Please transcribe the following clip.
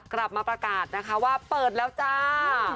กลับมาประกาศนะคะว่าเปิดแล้วจ้า